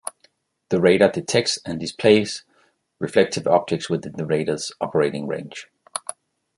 The radar detects and displays reflective objects within the radar's operating range.